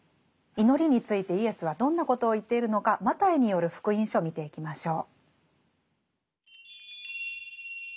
祈りについてイエスはどんなことを言っているのかマタイによる「福音書」見ていきましょう。